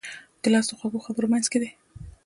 ګیلاس د خوږو خبرو منځکۍ دی.